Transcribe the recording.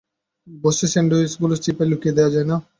বাসি স্যান্ডউইচ গুলোর চিপায় লুকিয়ে দেয়া যায়না?